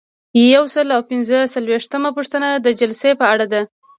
یو سل او پنځه څلویښتمه پوښتنه د جلسې په اړه ده.